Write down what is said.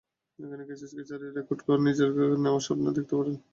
এখন ক্যাসিয়াসকে ছাড়িয়ে রেকর্ডটি নিজের করে নেওয়ার স্বপ্ন দেখতেই পারেন বুফন।